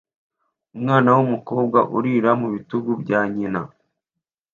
umwana wumukobwa urira mubitugu bya nyina